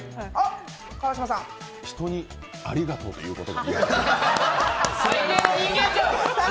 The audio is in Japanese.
人にありがとうと言うことができる。